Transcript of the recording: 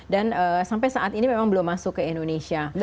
dan sampai saat ini memang belum masuk ke indonesia